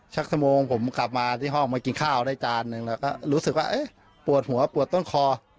ชั่วโมงผมกลับมาที่ห้องมากินข้าวได้จานหนึ่งแล้วก็รู้สึกว่าเอ๊ะปวดหัวปวดต้นคอ